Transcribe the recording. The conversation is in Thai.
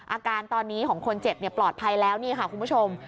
อาการตอนนี้ของคนเจ็บปลอดภัยแล้วนี่ค่ะคุณผู้ชม